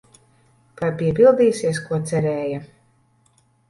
Vai piepildīsies, ko cerēja?